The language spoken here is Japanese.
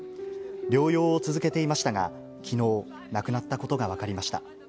療養を続けていましたが、きのう、亡くなったことが分かりました。